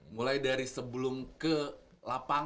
mulai dari sebelum ke lapangan